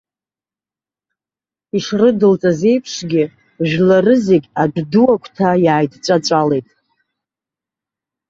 Ишрыдылҵаз еиԥшгьы, жәлары зегь адә ду агәҭа иааидҵәаҵәалеит.